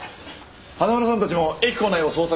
花村さんたちも駅構内を捜索してください。